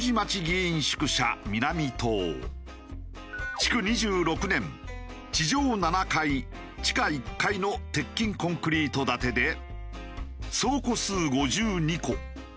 築２６年地上７階地下１階の鉄筋コンクリート建てで総戸数５２戸。